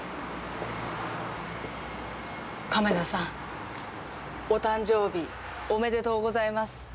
亀田さんお誕生日おめでとうございます。